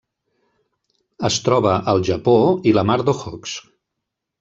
Es troba al Japó i la Mar d'Okhotsk.